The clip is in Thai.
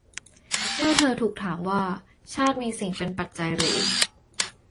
เมื่อเธอถูกถามว่า ชาติมีสิ่งเป็นปัจจัยหรือ